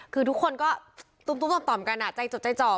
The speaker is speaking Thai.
คือทุกคนก็ตุ้มตุ้มต่อมต่อมกันอ่ะใจจบใจจอบ